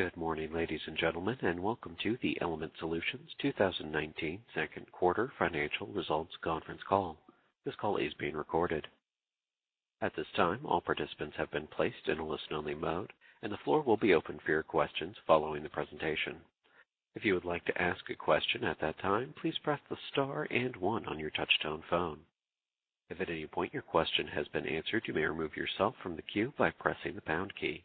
Good morning, ladies and gentlemen, and welcome to the Element Solutions 2019 second quarter financial results conference call. This call is being recorded. At this time, all participants have been placed in a listen-only mode, and the floor will be open for your questions following the presentation. If you would like to ask a question at that time, please press the star and one on your touch-tone phone. If at any point your question has been answered, you may remove yourself from the queue by pressing the pound key.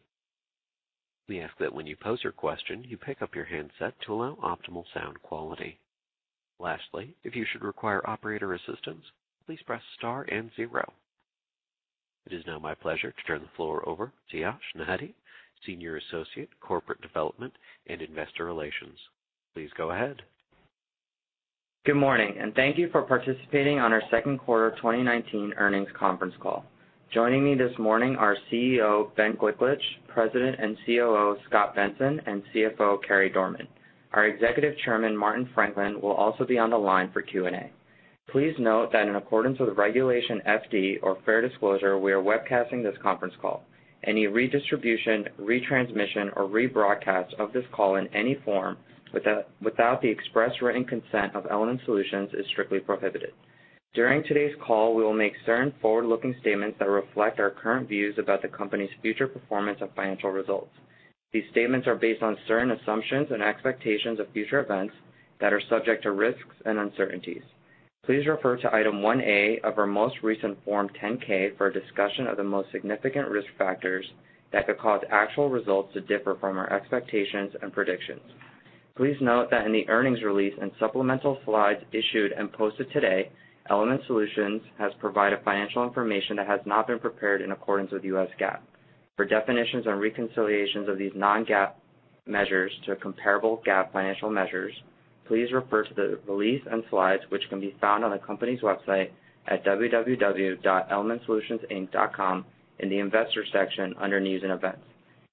We ask that when you pose your question, you pick up your handset to allow optimal sound quality. Lastly, if you should require operator assistance, please press star and zero. It is now my pleasure to turn the floor over to Yash Nehete, Senior Associate, Corporate Development and Investor Relations. Please go ahead. Good morning, and thank you for participating on our second quarter 2019 earnings conference call. Joining me this morning are CEO, Ben Gliklich, President and COO, Scot Benson, and CFO, Carey Dorman. Our Executive Chairman, Martin Franklin, will also be on the line for Q&A. Please note that in accordance with Regulation FD, or fair disclosure, we are webcasting this conference call. Any redistribution, retransmission, or rebroadcast of this call in any form without the express written consent of Element Solutions is strictly prohibited. During today's call, we will make certain forward-looking statements that reflect our current views about the company's future performance and financial results. These statements are based on certain assumptions and expectations of future events that are subject to risks and uncertainties. Please refer to Item 1A of our most recent Form 10-K for a discussion of the most significant risk factors that could cause actual results to differ from our expectations and predictions. Please note that in the earnings release and supplemental slides issued and posted today, Element Solutions has provided financial information that has not been prepared in accordance with US GAAP. For definitions and reconciliations of these non-GAAP measures to comparable GAAP financial measures, please refer to the release and slides, which can be found on the company's website at www.elementsolutionsinc.com in the Investors section under News and Events.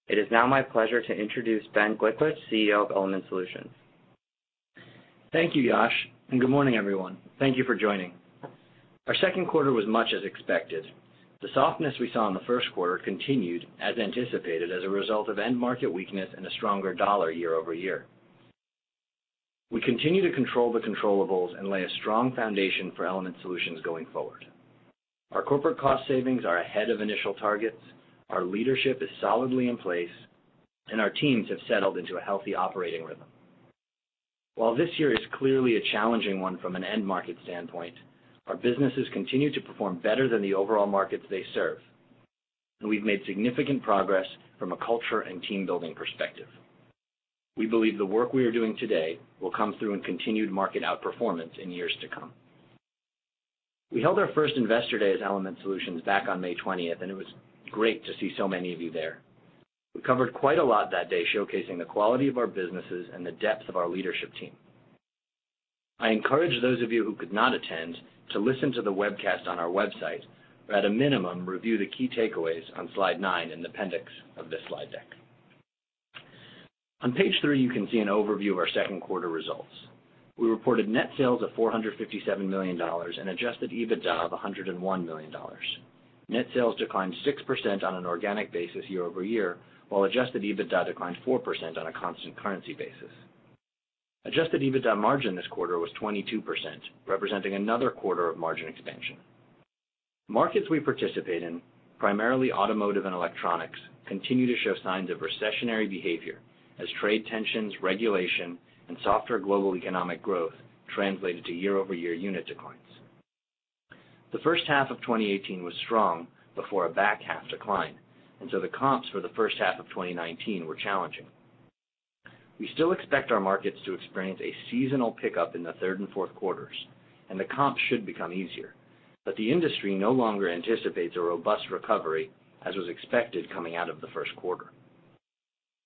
It is now my pleasure to introduce Ben Gliklich, CEO of Element Solutions. Thank you, Yash, and good morning, everyone. Thank you for joining. Our second quarter was much as expected. The softness we saw in the first quarter continued as anticipated as a result of end market weakness and a stronger dollar year-over-year. We continue to control the controllables and lay a strong foundation for Element Solutions going forward. Our corporate cost savings are ahead of initial targets. Our leadership is solidly in place, and our teams have settled into a healthy operating rhythm. While this year is clearly a challenging one from an end market standpoint, our businesses continue to perform better than the overall markets they serve, and we've made significant progress from a culture and team building perspective. We believe the work we are doing today will come through in continued market outperformance in years to come. We held our first Investor Day as Element Solutions back on May 20th, and it was great to see so many of you there. We covered quite a lot that day, showcasing the quality of our businesses and the depth of our leadership team. I encourage those of you who could not attend to listen to the webcast on our website or at a minimum, review the key takeaways on Slide nine in the appendix of this slide deck. On Page three, you can see an overview of our second quarter results. We reported net sales of $457 million and adjusted EBITDA of $101 million. Net sales declined 6% on an organic basis year-over-year, while adjusted EBITDA declined 4% on a constant currency basis. Adjusted EBITDA margin this quarter was 22%, representing another quarter of margin expansion. Markets we participate in, primarily automotive and electronics, continue to show signs of recessionary behavior as trade tensions, regulation, and softer global economic growth translated to year-over-year unit declines. The first half of 2018 was strong before a back half decline, and so the comps for the first half of 2019 were challenging. We still expect our markets to experience a seasonal pickup in the third and fourth quarters, and the comps should become easier. The industry no longer anticipates a robust recovery as was expected coming out of the first quarter.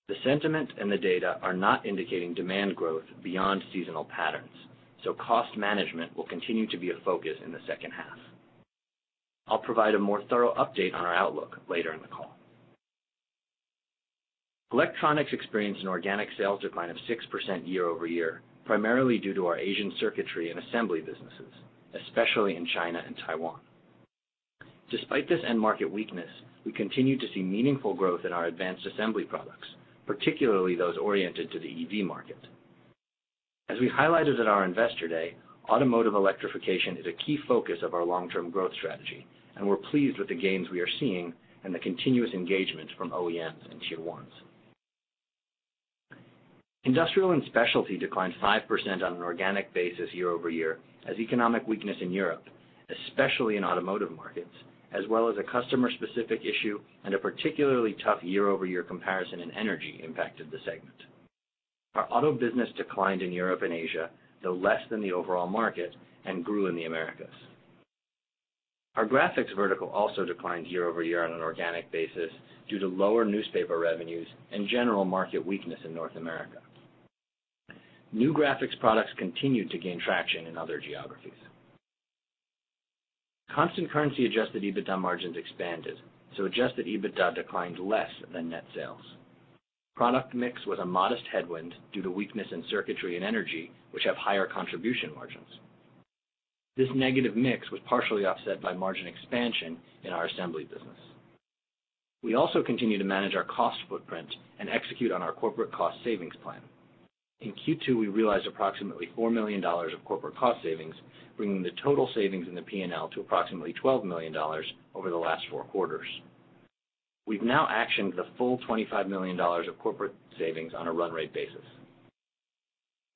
The sentiment and the data are not indicating demand growth beyond seasonal patterns, so cost management will continue to be a focus in the second half. I'll provide a more thorough update on our outlook later in the call. Electronics experienced an organic sales decline of 6% year-over-year, primarily due to our Asian circuitry and assembly businesses, especially in China and Taiwan. Despite this end market weakness, we continue to see meaningful growth in our advanced assembly products, particularly those oriented to the EV market. As we highlighted at our Investor Day, automotive electrification is a key focus of our long-term growth strategy, and we're pleased with the gains we are seeing and the continuous engagement from OEMs and Tier 1s. Industrial and specialty declined 5% on an organic basis year-over-year as economic weakness in Europe, especially in automotive markets, as well as a customer-specific issue and a particularly tough year-over-year comparison in energy impacted the segment. Our auto business declined in Europe and Asia, though less than the overall market, and grew in the Americas. Our graphics vertical also declined year-over-year on an organic basis due to lower newspaper revenues and general market weakness in North America. New graphics products continued to gain traction in other geographies. Constant currency adjusted EBITDA margins expanded, so adjusted EBITDA declined less than net sales. Product mix was a modest headwind due to weakness in circuitry and energy, which have higher contribution margins. This negative mix was partially offset by margin expansion in our assembly business. We also continue to manage our cost footprint and execute on our corporate cost savings plan. In Q2, we realized approximately $4 million of corporate cost savings, bringing the total savings in the P&L to approximately $12 million over the last four quarters. We've now actioned the full $25 million of corporate savings on a run rate basis.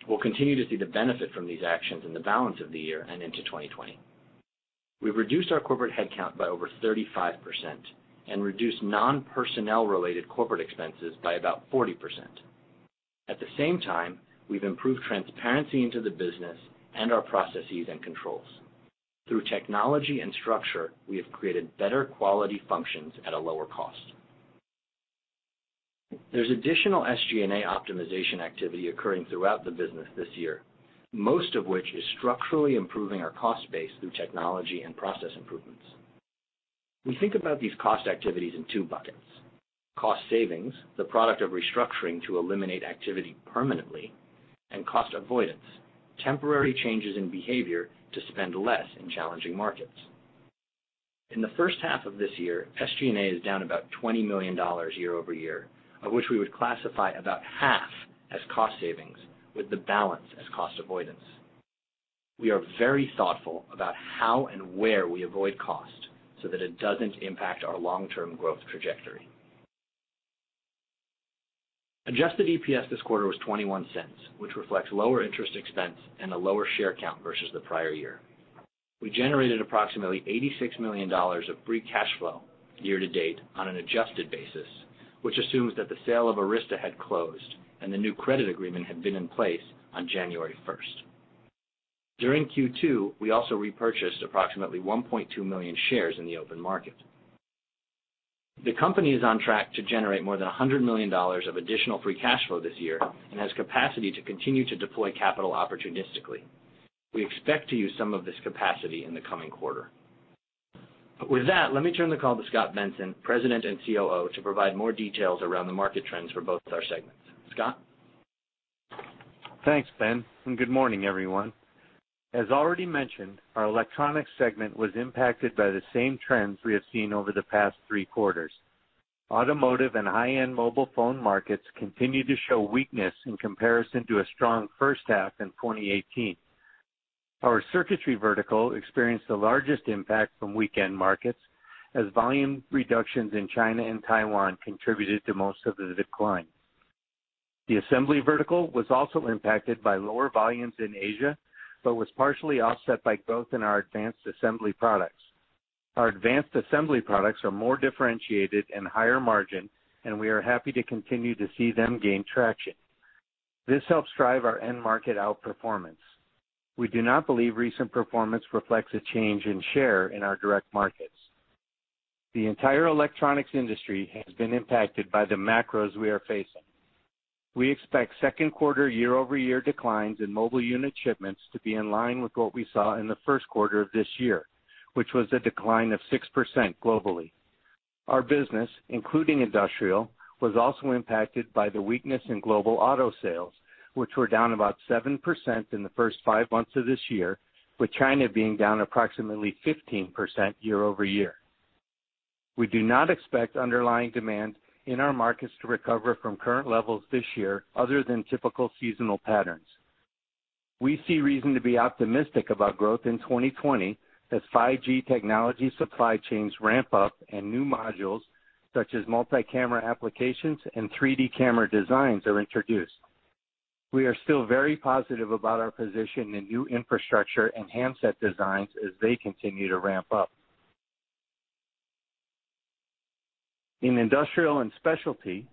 We'll continue to see the benefit from these actions in the balance of the year and into 2020. We've reduced our corporate headcount by over 35% and reduced non-personnel related corporate expenses by about 40%. At the same time, we've improved transparency into the business and our processes and controls. Through technology and structure, we have created better quality functions at a lower cost. There's additional SG&A optimization activity occurring throughout the business this year, most of which is structurally improving our cost base through technology and process improvements. We think about these cost activities in two buckets. Cost savings, the product of restructuring to eliminate activity permanently, and cost avoidance, temporary changes in behavior to spend less in challenging markets. In the first half of this year, SG&A is down about $20 million year-over-year, of which we would classify about half as cost savings with the balance as cost avoidance. We are very thoughtful about how and where we avoid cost so that it doesn't impact our long-term growth trajectory. Adjusted EPS this quarter was $0.21, which reflects lower interest expense and a lower share count versus the prior year. We generated approximately $86 million of free cash flow year-to-date on an adjusted basis, which assumes that the sale of Arysta had closed and the new credit agreement had been in place on January 1st. During Q2, we also repurchased approximately 1.2 million shares in the open market. The company is on track to generate more than $100 million of additional free cash flow this year and has capacity to continue to deploy capital opportunistically. We expect to use some of this capacity in the coming quarter. With that, let me turn the call to Scot Benson, President and COO, to provide more details around the market trends for both our segments. Scot? Thanks, Ben, and good morning, everyone. As already mentioned, our Electronics segment was impacted by the same trends we have seen over the past three quarters. Automotive and high-end mobile phone markets continue to show weakness in comparison to a strong first half in 2018. Our circuitry vertical experienced the largest impact from weakened markets as volume reductions in China and Taiwan contributed to most of the decline. The assembly vertical was also impacted by lower volumes in Asia, but was partially offset by growth in our advanced assembly products. Our advanced assembly products are more differentiated and higher margin, and we are happy to continue to see them gain traction. This helps drive our end market outperformance. We do not believe recent performance reflects a change in share in our direct markets. The entire electronics industry has been impacted by the macros we are facing. We expect second quarter year-over-year declines in mobile unit shipments to be in line with what we saw in the first quarter of this year, which was a decline of 6% globally. Our business, including industrial, was also impacted by the weakness in global auto sales, which were down about 7% in the first five months of this year, with China being down approximately 15% year-over-year. We do not expect underlying demand in our markets to recover from current levels this year other than typical seasonal patterns. We see reason to be optimistic about growth in 2020 as 5G technology supply chains ramp up and new modules such as multi-camera applications and 3D camera designs are introduced. We are still very positive about our position in new infrastructure and handset designs as they continue to ramp up. In industrial and specialty,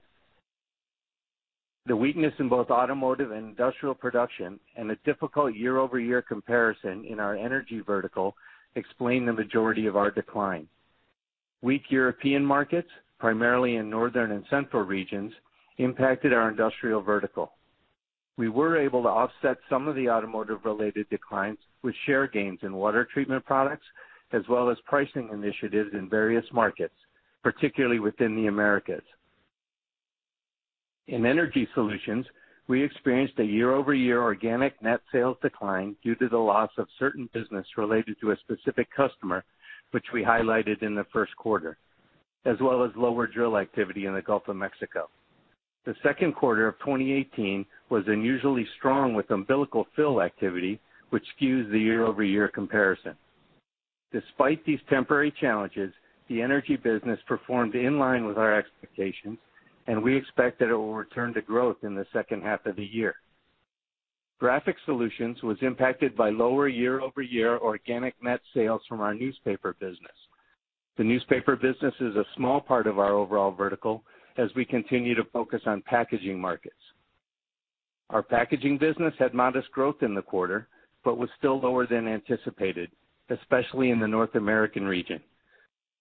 the weakness in both automotive and industrial production and a difficult year-over-year comparison in our energy vertical explain the majority of our decline. Weak European markets, primarily in northern and central regions, impacted our industrial vertical. We were able to offset some of the automotive-related declines with share gains in water treatment products, as well as pricing initiatives in various markets, particularly within the Americas. In energy solutions, we experienced a year-over-year organic net sales decline due to the loss of certain business related to a specific customer, which we highlighted in the first quarter, as well as lower drill activity in the Gulf of Mexico. The second quarter of 2018 was unusually strong with umbilical fill activity, which skews the year-over-year comparison. Despite these temporary challenges, the energy business performed in line with our expectations, and we expect that it will return to growth in the second half of the year. Graphic Solutions was impacted by lower year-over-year organic net sales from our newspaper business. The newspaper business is a small part of our overall vertical as we continue to focus on packaging markets. Our packaging business had modest growth in the quarter, but was still lower than anticipated, especially in the North American region.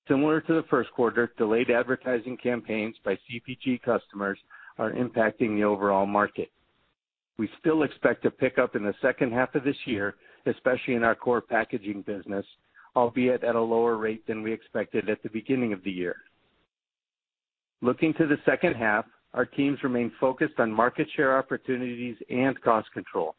Similar to the first quarter, delayed advertising campaigns by CPG customers are impacting the overall market. We still expect to pick up in the second half of this year, especially in our core packaging business, albeit at a lower rate than we expected at the beginning of the year. Looking to the second half, our teams remain focused on market share opportunities and cost control.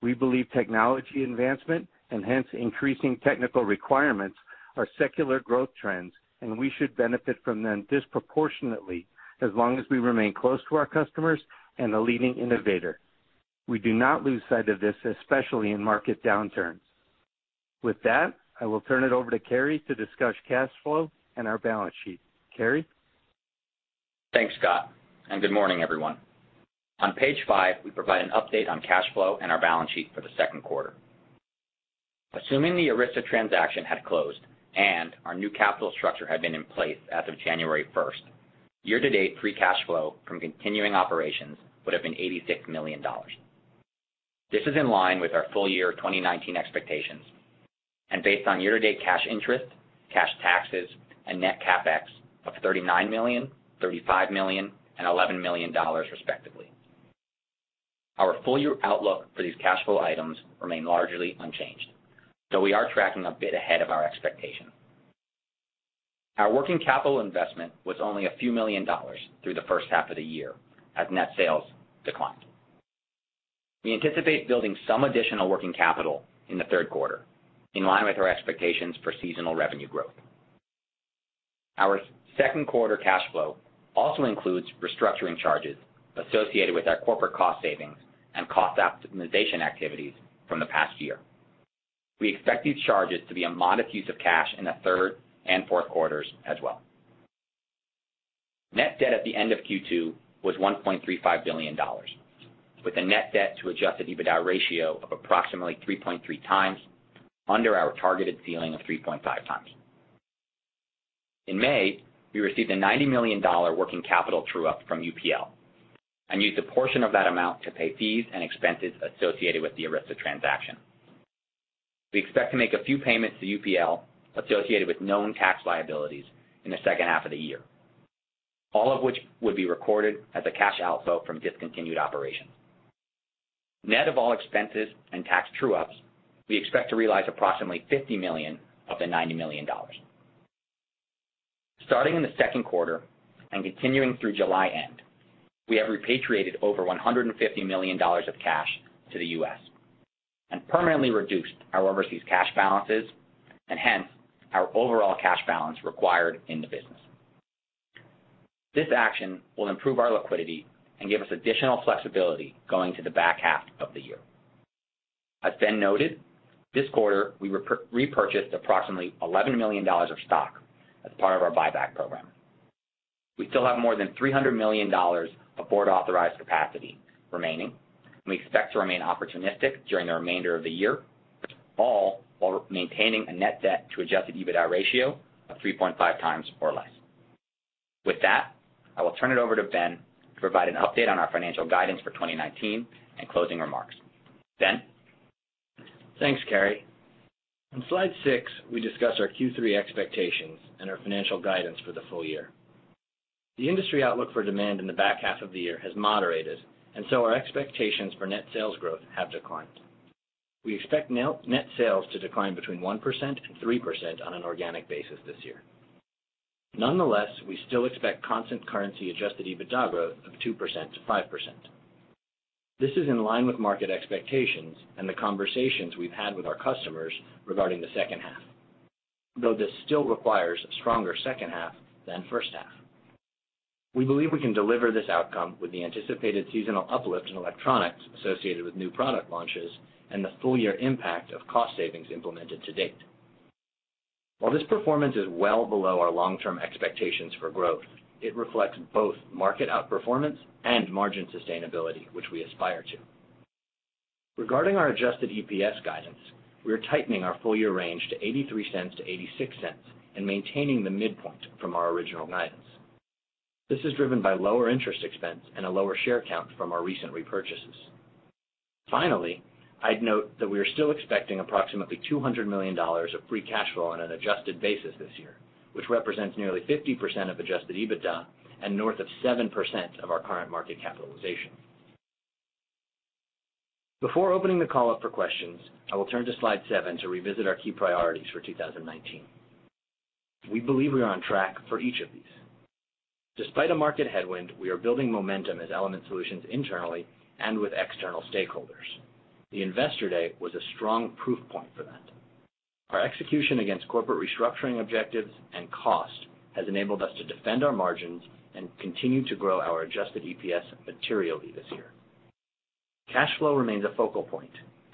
We believe technology advancement, hence increasing technical requirements, are secular growth trends. We should benefit from them disproportionately as long as we remain close to our customers and a leading innovator. We do not lose sight of this, especially in market downturns. With that, I will turn it over to Carey to discuss cash flow and our balance sheet. Carey? Thanks, Scot, and good morning, everyone. On page five, we provide an update on cash flow and our balance sheet for the second quarter. Assuming the Arysta transaction had closed and our new capital structure had been in place as of January 1st, year-to-date free cash flow from continuing operations would've been $86 million. This is in line with our full year 2019 expectations and based on year-to-date cash interest, cash taxes, and net CapEx of $39 million, $35 million, and $11 million respectively. Our full-year outlook for these cash flow items remain largely unchanged. Though we are tracking a bit ahead of our expectation. Our working capital investment was only a few million dollars through the first half of the year as net sales declined. We anticipate building some additional working capital in the third quarter, in line with our expectations for seasonal revenue growth. Our second quarter cash flow also includes restructuring charges associated with our corporate cost savings and cost optimization activities from the past year. We expect these charges to be a modest use of cash in the third and fourth quarters as well. Net debt at the end of Q2 was $1.35 billion, with a net debt to adjusted EBITDA ratio of approximately 3.3 times under our targeted ceiling of 3.5 times. In May, we received a $90 million working capital true-up from UPL and used a portion of that amount to pay fees and expenses associated with the Arysta transaction. We expect to make a few payments to UPL associated with known tax liabilities in the second half of the year, all of which would be recorded as a cash outflow from discontinued operations. Net of all expenses and tax true-ups, we expect to realize approximately $50 million of the $90 million. Starting in the second quarter and continuing through July end, we have repatriated over $150 million of cash to the U.S. and permanently reduced our overseas cash balances and hence our overall cash balance required in the business. This action will improve our liquidity and give us additional flexibility going to the back half of the year. As Ben noted, this quarter we repurchased approximately $11 million of stock as part of our buyback program. We still have more than $300 million of board-authorized capacity remaining, and we expect to remain opportunistic during the remainder of the year, all while maintaining a net debt to adjusted EBITDA ratio of 3.5 times or less. With that, I will turn it over to Ben to provide an update on our financial guidance for 2019 and closing remarks. Ben? Thanks, Carey. On slide six, we discuss our Q3 expectations and our financial guidance for the full year. The industry outlook for demand in the back half of the year has moderated. Our expectations for net sales growth have declined. We expect net sales to decline between 1% and 3% on an organic basis this year. Nonetheless, we still expect constant currency adjusted EBITDA growth of 2%-5%. This is in line with market expectations and the conversations we've had with our customers regarding the second half. Though this still requires a stronger second half than first half. We believe we can deliver this outcome with the anticipated seasonal uplift in electronics associated with new product launches and the full-year impact of cost savings implemented to date. While this performance is well below our long-term expectations for growth, it reflects both market outperformance and margin sustainability, which we aspire to. Regarding our adjusted EPS guidance, we are tightening our full-year range to $0.83 to $0.86 and maintaining the midpoint from our original guidance. This is driven by lower interest expense and a lower share count from our recent repurchases. Finally, I'd note that we are still expecting approximately $200 million of free cash flow on an adjusted basis this year, which represents nearly 50% of adjusted EBITDA and north of 7% of our current market capitalization. Before opening the call up for questions, I will turn to slide seven to revisit our key priorities for 2019. We believe we are on track for each of these. Despite a market headwind, we are building momentum as Element Solutions internally and with external stakeholders. The Investor Day was a strong proof point for that. Our execution against corporate restructuring objectives and cost has enabled us to defend our margins and continue to grow our adjusted EPS materially this year. Cash flow remains a focal point.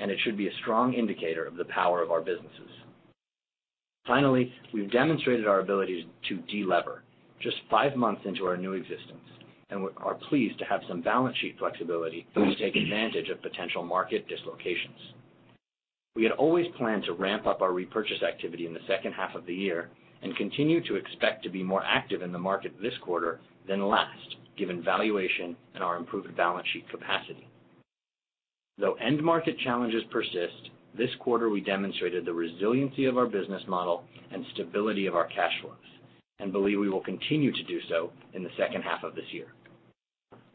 It should be a strong indicator of the power of our businesses. Finally, we've demonstrated our ability to delever just five months into our new existence and are pleased to have some balance sheet flexibility to take advantage of potential market dislocations. We had always planned to ramp up our repurchase activity in the second half of the year and continue to expect to be more active in the market this quarter than last, given valuation and our improved balance sheet capacity. Though end market challenges persist, this quarter we demonstrated the resiliency of our business model and stability of our cash flows and believe we will continue to do so in the second half of this year.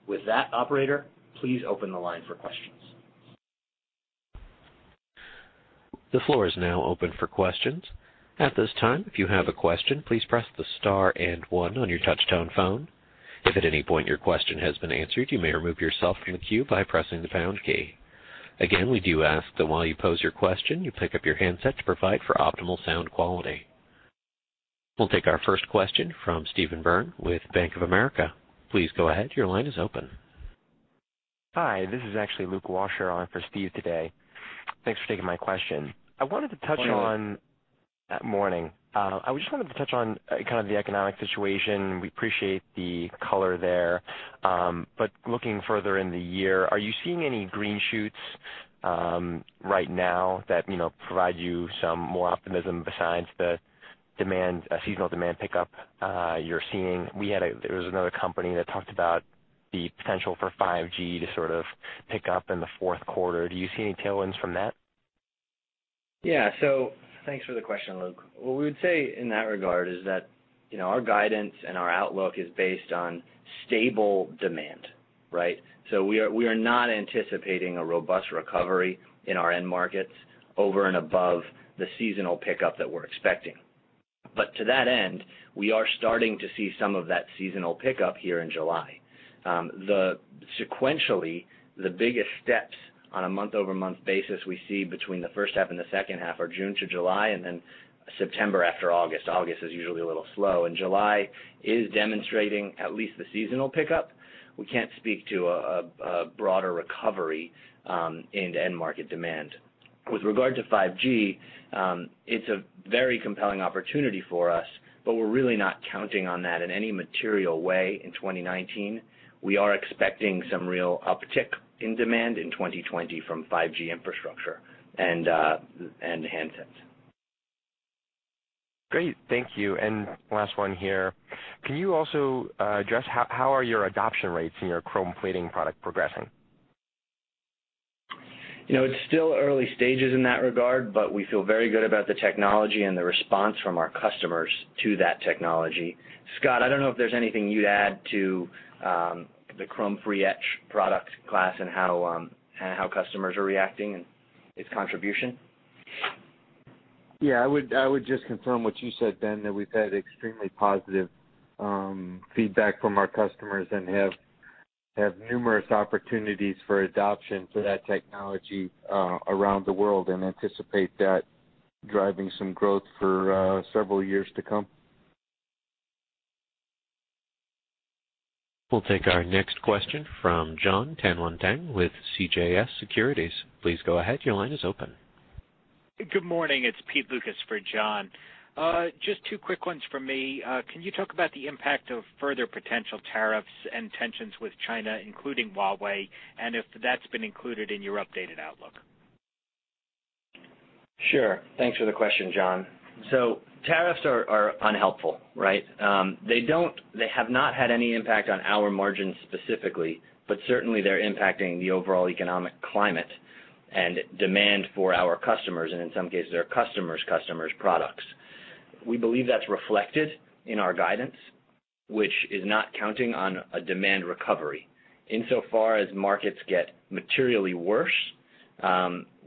With that, operator, please open the line for questions. The floor is now open for questions. At this time, if you have a question, please press the star and one on your touch-tone phone. If at any point your question has been answered, you may remove yourself from the queue by pressing the pound key. Again, we do ask that while you pose your question, you pick up your handset to provide for optimal sound quality. We'll take our first question from Steven Byrne with Bank of America. Please go ahead. Your line is open. Hi, this is actually Luke Washer on for Steve today. Thanks for taking my question. Morning. Morning. I just wanted to touch on kind of the economic situation. We appreciate the color there. Looking further in the year, are you seeing any green shoots right now that provide you some more optimism besides the seasonal demand pickup you're seeing? There was another company that talked about the potential for 5G to sort of pick up in the fourth quarter. Do you see any tailwinds from that? Yeah. Thanks for the question, Luke. What we would say in that regard is that our guidance and our outlook is based on stable demand, right? We are not anticipating a robust recovery in our end markets over and above the seasonal pickup that we're expecting. To that end, we are starting to see some of that seasonal pickup here in July. Sequentially, the biggest steps on a month-over-month basis we see between the first half and the second half are June to July, and then September after August. August is usually a little slow, and July is demonstrating at least the seasonal pickup. We can't speak to a broader recovery in end market demand. With regard to 5G, it's a very compelling opportunity for us, but we're really not counting on that in any material way in 2019. We are expecting some real uptick in demand in 2020 from 5G infrastructure and handsets. Great. Thank you. Last one here. Can you also address how are your adoption rates in your chrome plating product progressing? It's still early stages in that regard, but we feel very good about the technology and the response from our customers to that technology. Scot, I don't know if there's anything you'd add to the chrome-free etch product class and how customers are reacting and its contribution. Yeah, I would just confirm what you said, Ben, that we've had extremely positive feedback from our customers and have had numerous opportunities for adoption for that technology around the world and anticipate that driving some growth for several years to come. We'll take our next question from Jon Tanwanteng with CJS Securities. Please go ahead. Your line is open. Good morning. It's Pete Lucas for Jon. Just two quick ones from me. Can you talk about the impact of further potential tariffs and tensions with China, including Huawei, and if that's been included in your updated outlook? Sure. Thanks for the question, Jon. Tariffs are unhelpful, right? They have not had any impact on our margins specifically, but certainly they're impacting the overall economic climate and demand for our customers and in some cases, our customers' customers' products. We believe that's reflected in our guidance, which is not counting on a demand recovery. Insofar as markets get materially worse,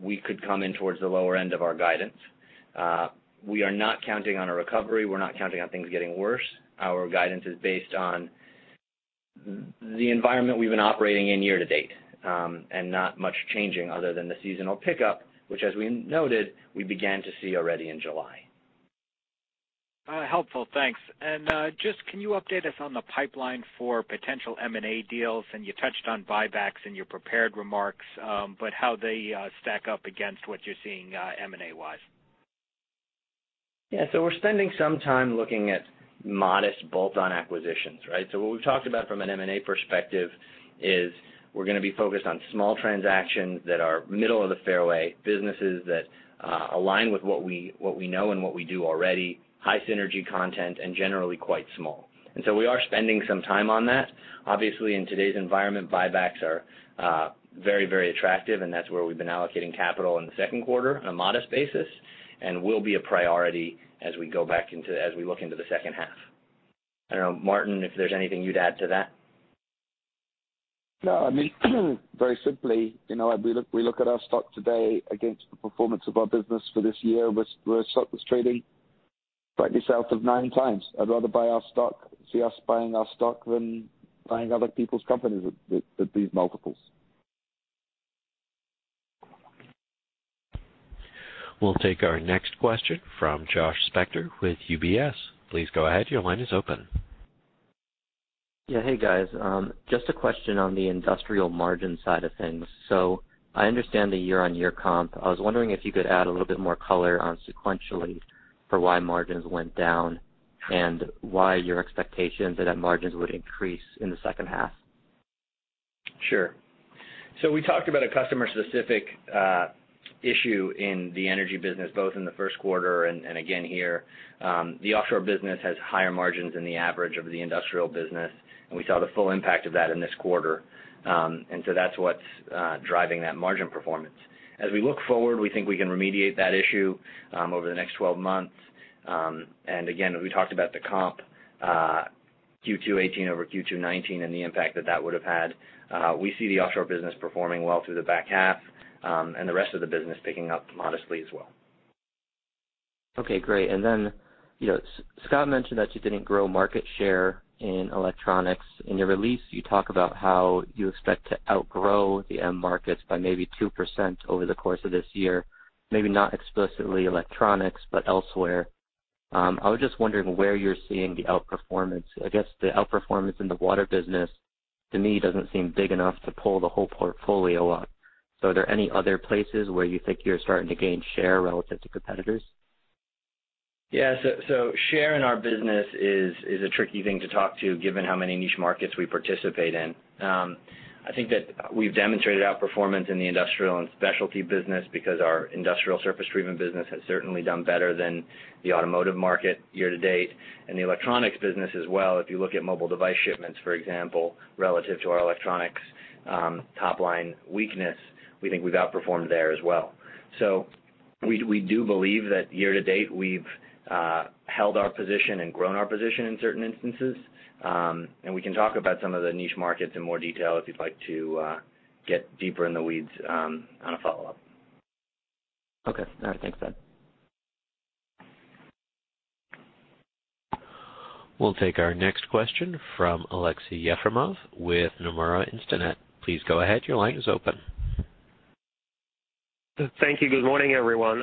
we could come in towards the lower end of our guidance. We are not counting on a recovery. We're not counting on things getting worse. Our guidance is based on the environment we've been operating in year to date, and not much changing other than the seasonal pickup, which as we noted, we began to see already in July. Helpful. Thanks. Just can you update us on the pipeline for potential M&A deals? You touched on buybacks in your prepared remarks, but how they stack up against what you're seeing M&A-wise. Yeah. We're spending some time looking at modest bolt-on acquisitions, right? What we've talked about from an M&A perspective is we're going to be focused on small transactions that are middle of the fairway, businesses that align with what we know and what we do already, high synergy content, and generally quite small. We are spending some time on that. Obviously, in today's environment, buybacks are very attractive, and that's where we've been allocating capital in the second quarter on a modest basis and will be a priority as we look into the second half. I don't know, Martin, if there's anything you'd add to that. No, I mean very simply, we look at our stock today against the performance of our business for this year. We're trading slightly south of 9x. I'd rather see us buying our stock than buying other people's companies at these multiples. We'll take our next question from Josh Spector with UBS. Please go ahead. Your line is open. Yeah. Hey, guys. Just a question on the industrial margin side of things. I understand the year-over-year comp. I was wondering if you could add a little bit more color on sequentially for why margins went down and why your expectations are that margins would increase in the second half. Sure. We talked about a customer-specific issue in the energy business, both in the first quarter and again here. The offshore business has higher margins than the average of the industrial business, and we saw the full impact of that in this quarter. That's what's driving that margin performance. As we look forward, we think we can remediate that issue over the next 12 months. Again, we talked about the comp, Q2 2018 over Q2 2019 and the impact that that would've had. We see the offshore business performing well through the back half, and the rest of the business picking up modestly as well. Okay, great. Scot mentioned that you didn't grow market share in electronics. In your release, you talk about how you expect to outgrow the end markets by maybe 2% over the course of this year. Maybe not explicitly electronics, but elsewhere. I was just wondering where you're seeing the outperformance. I guess the outperformance in the water business, to me, doesn't seem big enough to pull the whole portfolio up. Are there any other places where you think you're starting to gain share relative to competitors? Yeah. Share in our business is a tricky thing to talk to, given how many niche markets we participate in. I think that we've demonstrated outperformance in the industrial and specialty business because our industrial surface treatment business has certainly done better than the automotive market year to date. In the Electronics business as well, if you look at mobile device shipments, for example, relative to our Electronics top-line weakness, we think we've outperformed there as well. We do believe that year to date we've held our position and grown our position in certain instances. We can talk about some of the niche markets in more detail if you'd like to get deeper in the weeds on a follow-up. Okay. All right. Thanks, Ben. We'll take our next question from Aleksey Yefremov with Nomura Instinet. Please go ahead. Your line is open. Thank you. Good morning, everyone.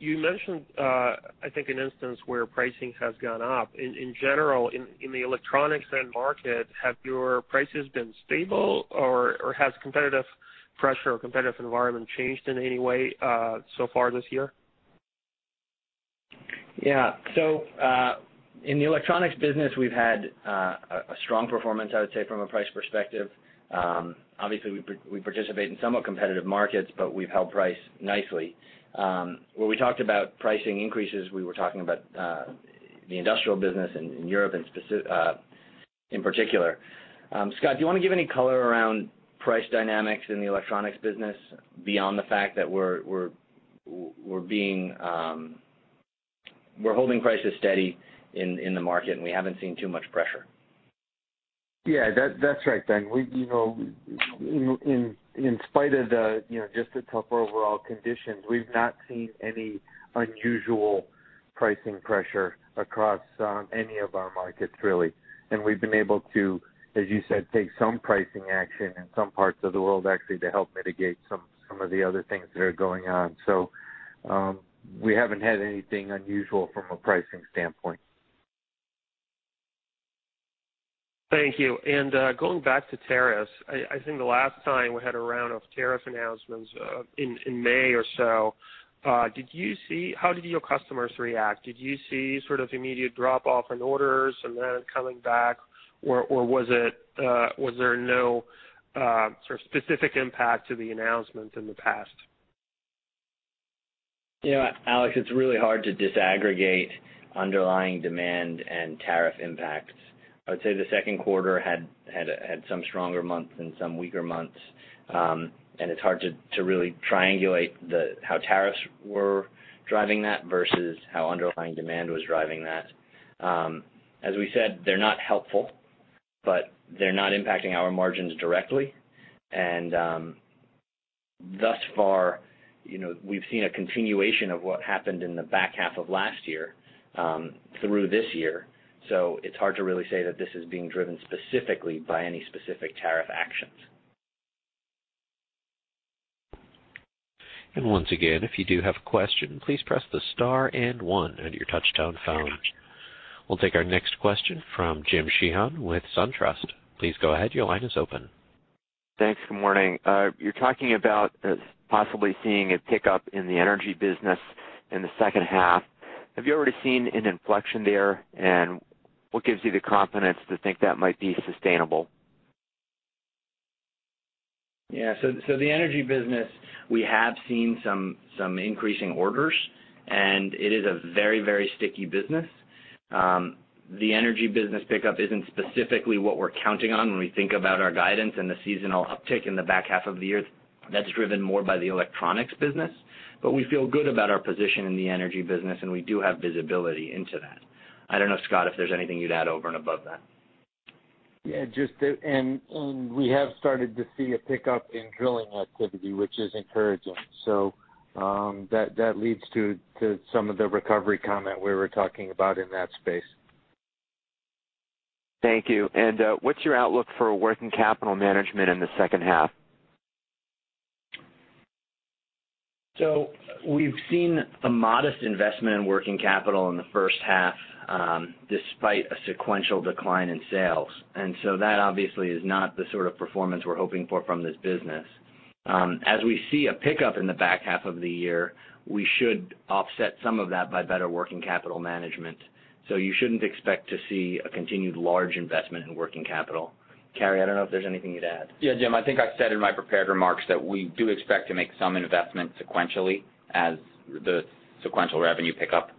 You mentioned, I think, an instance where pricing has gone up. In general, in the electronics end market, have your prices been stable, or has competitive pressure or competitive environment changed in any way so far this year? In the Electronics business, we've had a strong performance, I would say, from a price perspective. We participate in somewhat competitive markets, but we've held price nicely. Where we talked about pricing increases, we were talking about the industrial business in Europe in particular. Scot, do you want to give any color around price dynamics in the Electronics business beyond the fact that we're holding prices steady in the market, and we haven't seen too much pressure? Yeah. That's right, Ben. In spite of just the tougher overall conditions, we've not seen any unusual pricing pressure across any of our markets, really. We've been able to, as you said, take some pricing action in some parts of the world actually to help mitigate some of the other things that are going on. We haven't had anything unusual from a pricing standpoint. Thank you. Going back to tariffs, I think the last time we had a round of tariff announcements in May or so. How did your customers react? Did you see sort of immediate drop-off in orders and then coming back, or was there no specific impact to the announcements in the past? Aleksey, it's really hard to disaggregate underlying demand and tariff impacts. I would say the second quarter had some stronger months and some weaker months. It's hard to really triangulate how tariffs were driving that versus how underlying demand was driving that. As we said, they're not helpful, but they're not impacting our margins directly. Thus far, we've seen a continuation of what happened in the back half of last year through this year. It's hard to really say that this is being driven specifically by any specific tariff actions. Once again, if you do have a question, please press the star and one on your touchtone phone. We'll take our next question from James Sheehan with SunTrust. Please go ahead. Your line is open. Thanks. Good morning. You're talking about possibly seeing a pickup in the energy business in the second half. Have you already seen an inflection there, and what gives you the confidence to think that might be sustainable? Yeah. The energy business, we have seen some increasing orders, and it is a very sticky business. The energy business pickup isn't specifically what we're counting on when we think about our guidance and the seasonal uptick in the back half of the year. That's driven more by the Electronics business. We feel good about our position in the energy business, and we do have visibility into that. I don't know, Scot, if there's anything you'd add over and above that. Yeah. We have started to see a pickup in drilling activity, which is encouraging. That leads to some of the recovery comment we were talking about in that space. Thank you. What's your outlook for working capital management in the second half? We've seen a modest investment in working capital in the first half, despite a sequential decline in sales. That obviously is not the sort of performance we're hoping for from this business. As we see a pickup in the back half of the year, we should offset some of that by better working capital management. You shouldn't expect to see a continued large investment in working capital. Carey, I don't know if there's anything you'd add. Yeah, Jim, I think I said in my prepared remarks that we do expect to make some investment sequentially as the sequential revenue pickup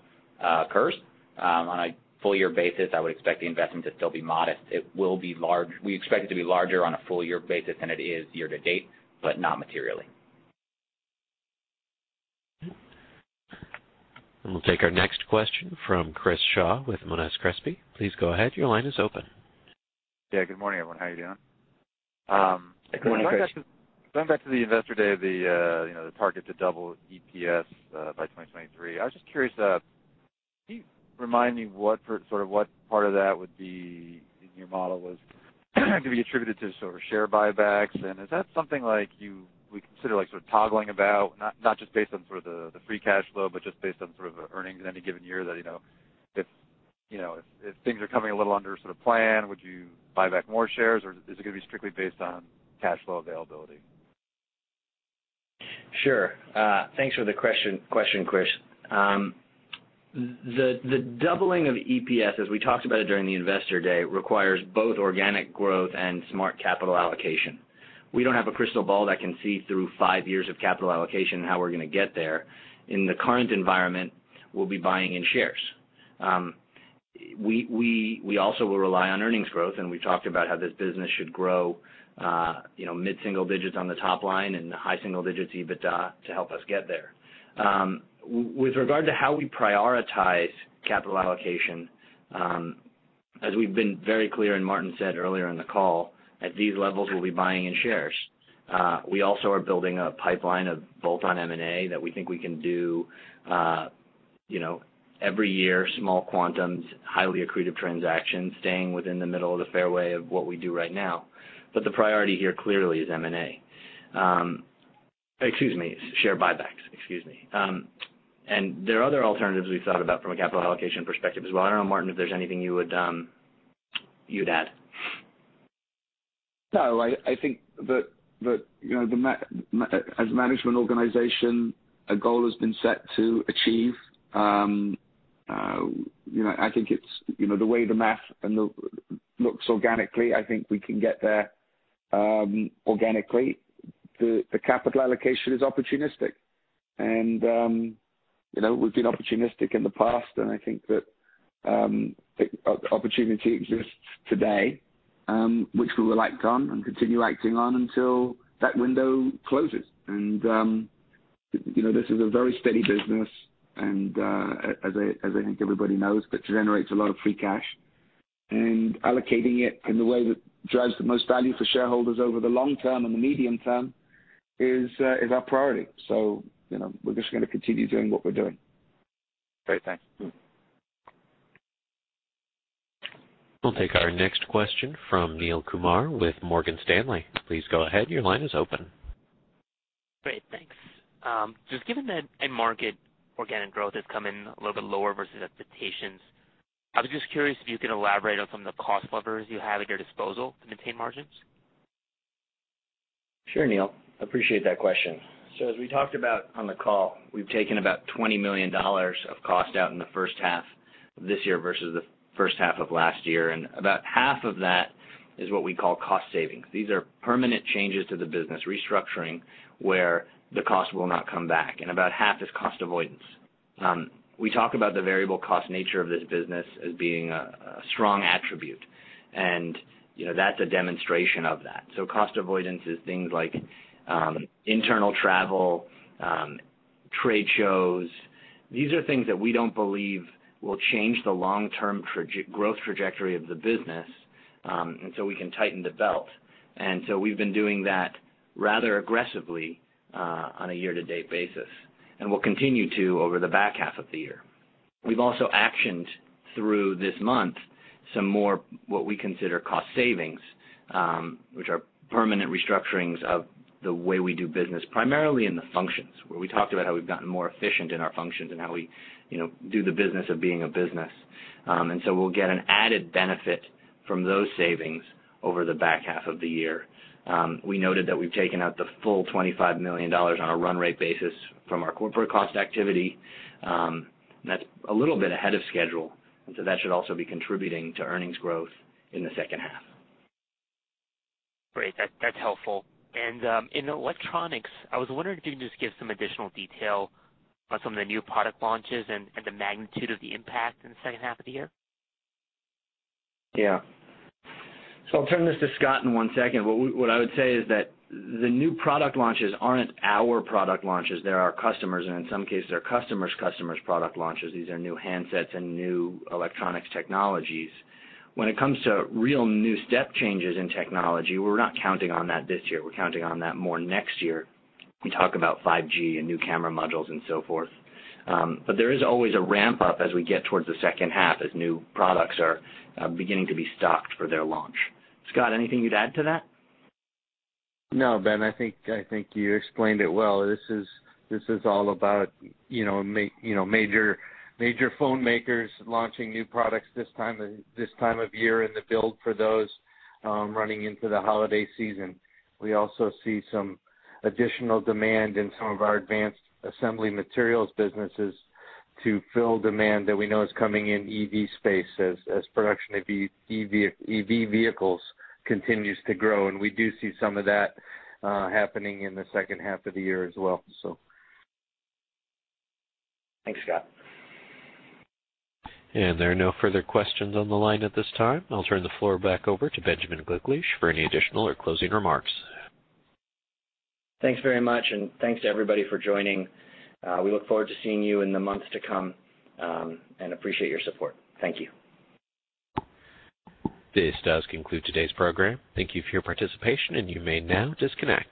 occurs. On a full year basis, I would expect the investment to still be modest. We expect it to be larger on a full year basis than it is year to date, but not materially. We'll take our next question from Chris Shaw with Monness Crespi. Please go ahead. Your line is open. Yeah, good morning, everyone. How are you doing? Good morning, Chris. Going back to the Investor Day, the target to double EPS by 2023. I was just curious, can you remind me what part of that would be in your model was going to be attributed to sort of share buybacks? Is that something you would consider toggling about, not just based on the free cash flow, but just based on earnings at any given year that, if things are coming a little under plan, would you buy back more shares, or is it going to be strictly based on cash flow availability? Sure. Thanks for the question, Chris. The doubling of EPS, as we talked about it during the Investor Day, requires both organic growth and smart capital allocation. We don't have a crystal ball that can see through five years of capital allocation, how we're going to get there. In the current environment, we'll be buying in shares. We also will rely on earnings growth, and we talked about how this business should grow mid-single digits on the top line and high single digits EBITDA to help us get there. With regard to how we prioritize capital allocation, as we've been very clear, and Martin said earlier in the call, at these levels, we'll be buying in shares. We also are building a pipeline of bolt-on M&A that we think we can do every year, small quantums, highly accretive transactions, staying within the middle of the fairway of what we do right now. The priority here clearly is M&A. Excuse me, share buybacks, excuse me. There are other alternatives we've thought about from a capital allocation perspective as well. I don't know, Martin, if there's anything you would add. No, I think that as a management organization, a goal has been set to achieve. I think it's the way the math looks organically, I think we can get there organically. The capital allocation is opportunistic. We've been opportunistic in the past, and I think that opportunity exists today, which we will act on and continue acting on until that window closes. This is a very steady business, and as I think everybody knows, that generates a lot of free cash, and allocating it in the way that drives the most value for shareholders over the long term and the medium term is our priority. We're just going to continue doing what we're doing. Great, thanks. We'll take our next question from Neel Kumar with Morgan Stanley. Please go ahead. Your line is open. Great, thanks. Just given that end market organic growth has come in a little bit lower versus expectations, I was just curious if you could elaborate on some of the cost levers you have at your disposal to maintain margins? Sure, Neel. Appreciate that question. As we talked about on the call, we've taken about $20 million of cost out in the first half of this year versus the first half of last year, and about half of that is what we call cost savings. These are permanent changes to the business restructuring, where the cost will not come back, and about half is cost avoidance. We talk about the variable cost nature of this business as being a strong attribute. That's a demonstration of that. Cost avoidance is things like internal travel, trade shows. These are things that we don't believe will change the long-term growth trajectory of the business, and so we can tighten the belt. We've been doing that rather aggressively on a year-to-date basis, and will continue to over the back half of the year. We've also actioned through this month some more what we consider cost savings, which are permanent restructurings of the way we do business, primarily in the functions, where we talked about how we've gotten more efficient in our functions and how we do the business of being a business. We'll get an added benefit from those savings over the back half of the year. We noted that we've taken out the full $25 million on a run rate basis from our corporate cost activity. That's a little bit ahead of schedule, that should also be contributing to earnings growth in the second half. Great. That's helpful. In Electronics, I was wondering if you can just give some additional detail on some of the new product launches and the magnitude of the impact in the second half of the year. I'll turn this to Scott in one second. What I would say is that the new product launches aren't our product launches. They're our customers, and in some cases, they're customers' customers product launches. These are new handsets and new electronics technologies. When it comes to real new step changes in technology, we're not counting on that this year. We're counting on that more next year. We talk about 5G and new camera modules and so forth. There is always a ramp-up as we get towards the second half as new products are beginning to be stocked for their launch. Scott, anything you'd add to that? No, Ben, I think you explained it well. This is all about major phone makers launching new products this time of year and the build for those running into the holiday season. We also see some additional demand in some of our advanced assembly materials businesses to fill demand that we know is coming in EV space as production of EV vehicles continues to grow, and we do see some of that happening in the second half of the year as well. Thanks, Scot. There are no further questions on the line at this time. I'll turn the floor back over to Benjamin Gliklich for any additional or closing remarks. Thanks very much, and thanks to everybody for joining. We look forward to seeing you in the months to come, and appreciate your support. Thank you. This does conclude today's program. Thank you for your participation, and you may now disconnect.